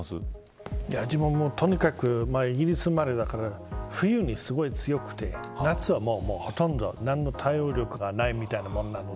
自分も、とにかくイギリス生まれだから冬にすごい強くて夏はほとんど何も対応力がないという感じです。